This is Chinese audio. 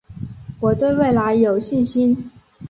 我对未来有信心